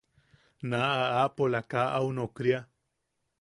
Naaʼa aapola kaa au nokria.